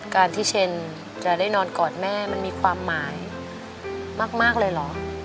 การที่เชนจะได้นอนกอดแม่มันมีความหมายมากเลยเหรอ